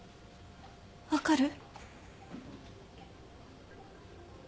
分かる？